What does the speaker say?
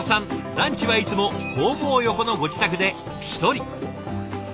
ランチはいつも工房横のご自宅で１人。